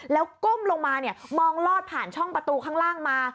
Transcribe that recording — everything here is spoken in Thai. แล้วก้มลงมามองลอดผ่านช่องประตูข้างล่างมา